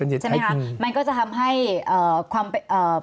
มันก็จะทำให้ความเป็น